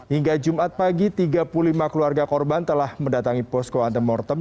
hingga jumat pagi tiga puluh lima keluarga korban telah mendatangi posko antemortem